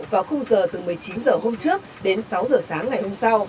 vào khung giờ từ một mươi chín h hôm trước đến sáu h sáng ngày hôm sau